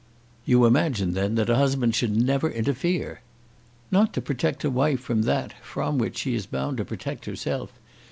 "You imagine, then, that a husband should never interfere." "Not to protect a wife from that from which she is bound to protect herself.